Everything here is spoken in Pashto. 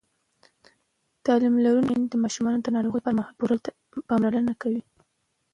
تعلیم لرونکې میندې د ماشومانو د ناروغۍ پر مهال پوره پاملرنه کوي.